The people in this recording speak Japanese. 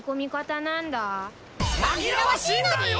紛らわしいんだよ！